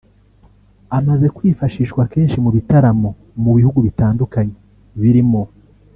Amaze kwifashishwa kenshi mu bitaramo mu bihugu bitandukanye birimo